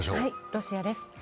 ロシアです。